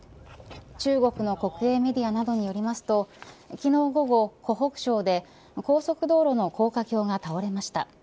中国の国営メディアなどによりますと昨日午後、湖北省で高速道路の高架橋が倒れました。